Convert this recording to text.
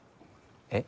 えっ？